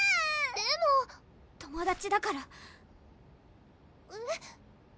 でも友達だからえっ？